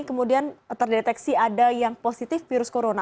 kemudian terdeteksi ada yang positif virus corona